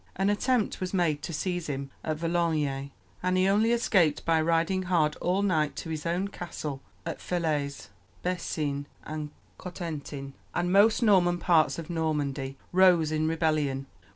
An attempt was made to seize him at Valognes, and he only escaped by riding hard all night to his own castle at Falaise. Bessin and Cotentin, the most Norman parts of Normandy, rose in rebellion.